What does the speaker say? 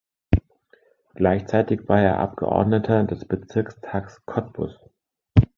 Gleichzeitig war er Abgeordneter des Bezirkstags Cottbus.